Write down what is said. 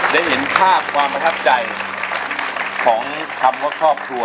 ได้เห็นภาพความประทับใจของคำว่าครอบครัว